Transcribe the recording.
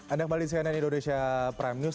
anda kembali di cnn indonesia prime news